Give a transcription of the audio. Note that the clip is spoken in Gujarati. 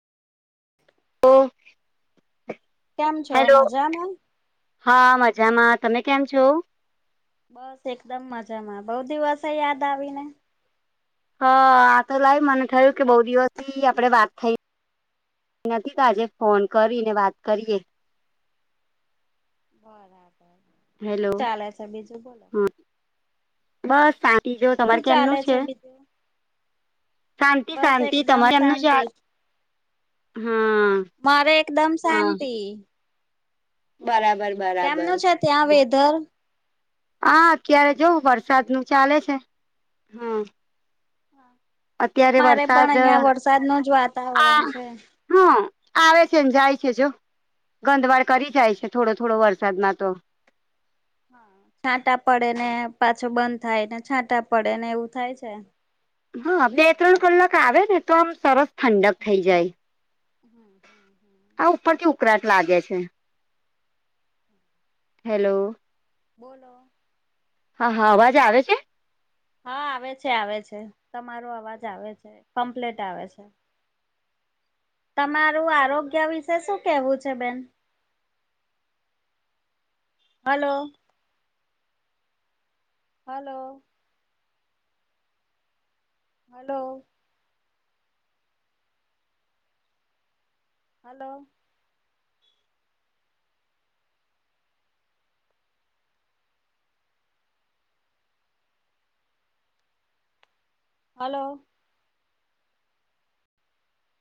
તો કેમ છો મજામાં? હા મજામાં તમે કેમ છો? બસ એકદમ મજામાં બઉ દિવસે યાદ આવી ને. હા આ તો લાવ મને થયું કે બહુ દિવસથી આપડે વાત થઈ. નથી તો આજે ફોન કરીને વાત કરીએ. બરાબર. શું હેલો ચાલે છે બીજું બોલો હ, બસ શાં તી જો શું તમારે ચાલે કેમનું છે? બીજું શાંતિ બસ શાંતિ એકદમ તમારે કેમનું છે? શાંતિ હા મારે એકદમ હા શાંતિ. બરાબર. બરાબર કેમનું છે ત્યાં વેધર? હા અત્યારે જોવ વરસાદ નું ચાલે છે હમ્મ? અમારે પણ વરસાદ અહિયાં વરસાદ નું જ વાતાવરણ છે. હા આવે છે એમ જાય છે જો, ગંધવાડ કરી જાય છે થોડો થોડો વરસાદમાં તો. છાંટા પડે ને પાછો બંધ થાય ને છાંટા પડે ને એવું થાય છે. હા બે ત્રણ કલાક આવે ને તો આમ સરસ ઠંડક થઈ જાય. [unintelligible] આ ઉપરથી ઉકળાટ લાગે છે? હેલો. બોલો. હા હા અવાજ આવે છે? હા આવે છે આવે છે તમારો અવાજ આવે છે કોમ્પલેટ આવે છે. તમારું આરોગ્ય વિશે શું કેવું છે બેન? હલો. હાલો. હલો. હલો. હલો.